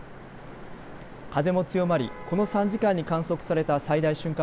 風も強まり、この３時間に観測された最大瞬間